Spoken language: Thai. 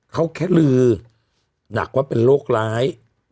เขาแค่ลือหนักว่าเป็นโรคร้าย